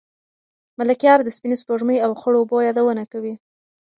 ملکیار د سپینې سپوږمۍ او خړو اوبو یادونه کوي.